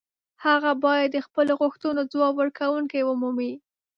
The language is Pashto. هغه باید د خپلو غوښتنو ځواب ورکوونکې ومومي.